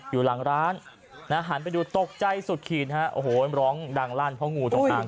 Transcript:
อยู่หลังร้านนะฮะหันไปดูตกใจสุดขีดฮะโอ้โหร้องดังลั่นเพราะงูจงอาง